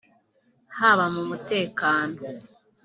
haba mu mutekano